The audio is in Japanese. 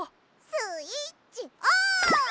スイッチオン！